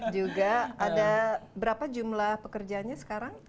juga ada berapa jumlah pekerjanya sekarang